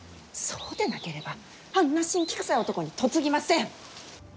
そうでなければあんな辛気くさい男に嫁ぎません！